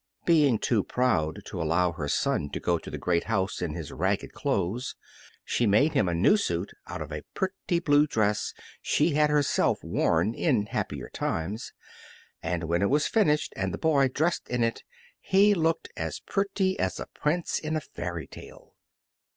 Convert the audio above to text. Being too proud to allow her son to go to the great house in his ragged clothes, she made him a new suit out of a pretty blue dress she had herself worn in happier times, and when it was finished and the boy dressed in it, he looked as pretty as a prince in a fairy tale.